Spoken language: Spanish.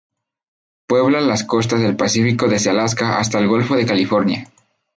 Puebla las costas del Pacífico desde Alaska hasta el Golfo de California.